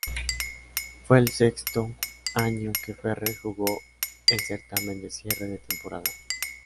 Fue el sexto año que Ferrer jugó el certamen de cierre de temporada.